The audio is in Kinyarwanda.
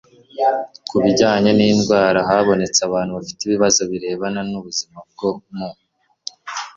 ku bijyanye n indwara habonetse abantu bafite ibibazo birebana n ubuzima bwo mu